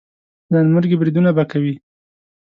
ځانمرګي بریدونه به کوي.